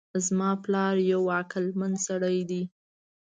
زما پلار یو عقلمند سړی ده